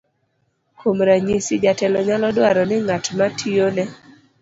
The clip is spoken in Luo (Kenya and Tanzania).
kuom ranyisi, jatelo nyalo dwaro ni ng'at ma tiyone